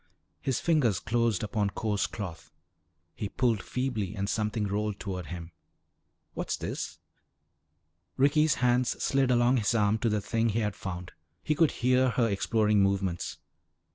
His fingers closed upon coarse cloth. He pulled feebly and something rolled toward him. "What's this?" Ricky's hands slid along his arm to the thing he had found. He could hear her exploring movements.